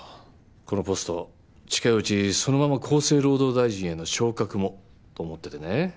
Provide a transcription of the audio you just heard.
このポスト近いうちそのまま厚生労働大臣への昇格もと思っててね。